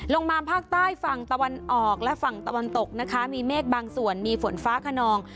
มาภาคใต้ฝั่งตะวันออกและฝั่งตะวันตกนะคะมีเมฆบางส่วนมีฝนฟ้าขนอง